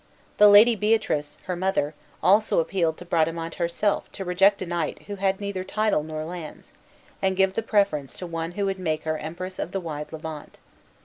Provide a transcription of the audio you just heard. The Lady Beatrice, her mother, also appealed to Bradamante herself to reject a knight who had neither title nor lands, and give the preference to one who would make her Empress of the wide Levant.